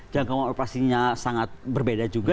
jangkauan operasinya sangat berbeda juga